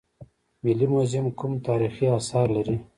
ملي موزیم کوم تاریخي اثار لري؟